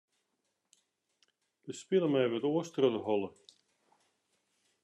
Der spile my wat oars troch de holle.